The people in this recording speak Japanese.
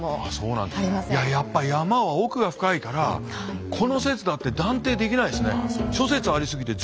やっぱり山は奥が深いからこの説だって断定できないですね。